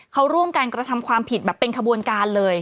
เขาร่วมการกระทำความผิดแบบเป็นขบวนการเลย